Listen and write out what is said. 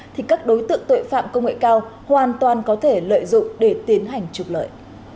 thì các đối tượng tội phạm công nghệ cao hoàn toàn có thể lợi dụng để tiến hành trục lợi